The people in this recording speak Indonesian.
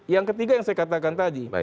yang ketiga yang saya katakan tadi